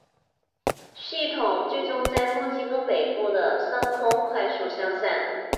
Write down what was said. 系统最终在墨西哥北部上空快速消散。